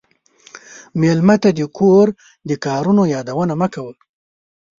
مېلمه ته د کور د کارونو یادونه مه کوه.